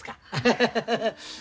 ハハハハハ。